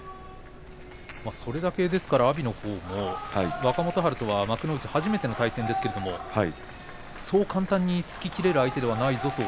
それだけ阿炎と若元春は幕内初めての対戦でしたがそう簡単には突ききれる相手ではないぞと。